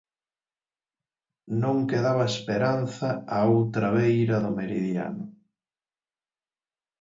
Non quedaba esperanza á outra beira do meridiano